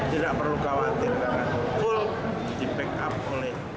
tidak perlu khawatir karena full di backup oleh